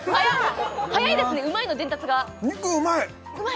早いですねうまいの伝達が肉うまい！